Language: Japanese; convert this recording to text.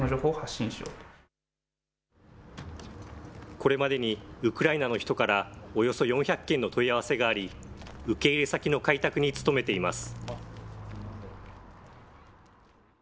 これまでにウクライナの人からおよそ４００件の問い合わせがあり、受け入れ先の開拓に努めています。